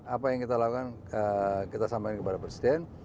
apa yang kita lakukan kita sampaikan kepada presiden